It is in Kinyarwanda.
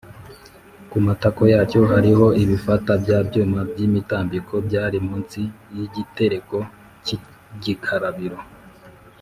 ku matako yacyo hariho ibifata bya byuma by’imitambiko byari munsi y’igitereko cy’igikarabiro